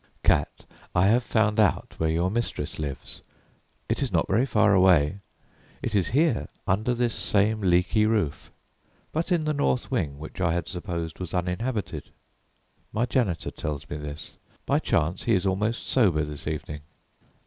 "Cat, I have found out where your mistress lives. It is not very far away; it is here, under this same leaky roof, but in the north wing which I had supposed was uninhabited. My janitor tells me this. By chance, he is almost sober this evening.